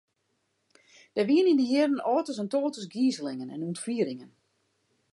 Der wiene yn dy jierren oates en toates gizelingen en ûntfieringen.